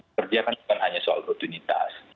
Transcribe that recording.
kerja kan bukan hanya soal rutinitas